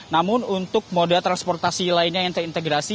namun untuk moda transportasi lainnya yang terintegrasi